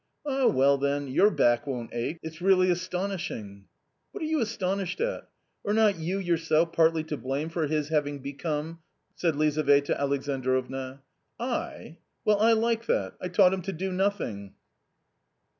"Ah, well, then your back won't ache. It's really astonishing !"" What are you astonished at ; are not you yourself partly to blame for his having become " said Lizaveta Alexandrovna. " I ? well, I like that ! I taught him to do nothing